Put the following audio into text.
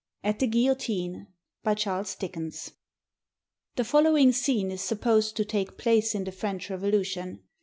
AT THE GUILLOTINE BY CHARLES DICKENS [The following scene is supposed to take place in the French Revolution.